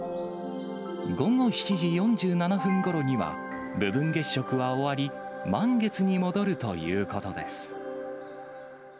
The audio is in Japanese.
午後７時４７分ごろには、部分月食は終わり、満月に戻るということです。